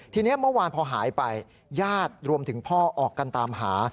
ทีนี้เมื่อวานพอหายไปญาติรวมถึงพ่อออกกันตามหา